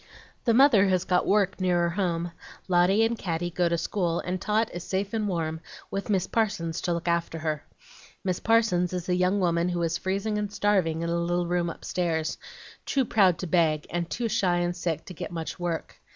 "The mother has got work nearer home, Lotty and Caddy go to school, and Tot is safe and warm, with Miss Parsons to look after her. Miss Parsons is a young woman who was freezing and starving in a little room upstairs, too proud to beg and too shy and sick to get much work.